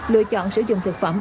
lựa chọn sử dụng thực phẩm